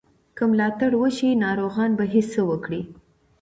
که ملاتړ وشي، ناروغان به هڅه وکړي.